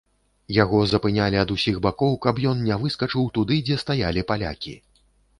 Яго запынялі ад усіх бакоў, каб ён не выскачыў туды, дзе стаялі палякі.